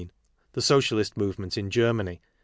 The Socialist Movement in Germanj'.